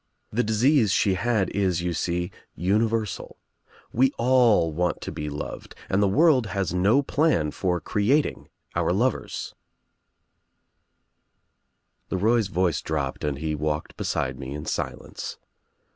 The disease she had is, you see, universal. We all want to be loved and the world has no plan for creating our lovers," LeRoy's voice dropped and he walked beside me in ■ilence.